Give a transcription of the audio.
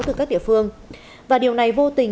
từ các địa phương và điều này vô tình